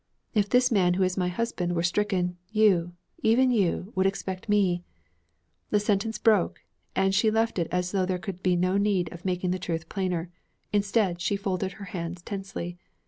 If this man who is my husband were stricken, you, even you, would expect me ' The sentence broke and she left it as though there could be no need of making the truth plainer. Instead, she folded her hands tensely.